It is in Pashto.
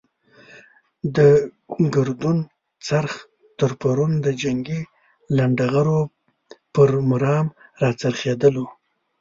د ګردون څرخ تر پرون د جنګي لنډه غرو پر مرام را څرخېدلو.